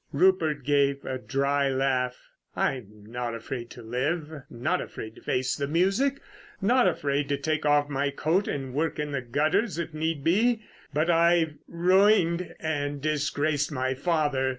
Rupert gave a dry laugh. "I'm not afraid to live, not afraid to face the music; not afraid to take off my coat and work in the gutters, if need be. But I've ruined and disgraced my father.